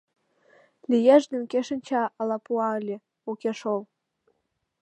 Лиеш гын, кӧ шинча, ала пуа ыле, уке шол.